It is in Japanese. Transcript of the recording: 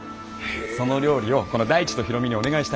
その料理をこの大地と大海にお願いしたいんです。